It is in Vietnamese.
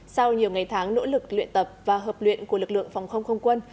sau nhiều ngày tháng nỗ lực luyện tập và hợp luyện của lực lượng phòng không không quân